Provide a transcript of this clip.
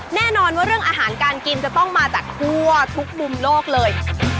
แน่นอนว่าเรื่องอาหารการกินจะต้องมาจากทั่วทุกมุมโลกเลย